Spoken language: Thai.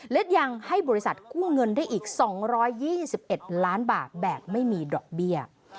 และยังให้บริษัทกู้เงินได้อีก๒๒๑ล้านบาทแบบไม่มีดอกเบี้ย